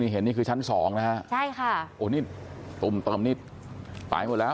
เห็นนี่คือชั้นสองนะคะตรมนี้ตายหมดแล้ว